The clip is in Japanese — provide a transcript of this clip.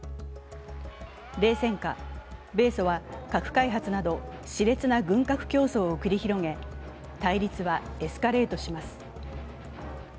冷戦下、米ソは核開発などしれつな軍拡競争を繰り広げ対立はエスカレートします。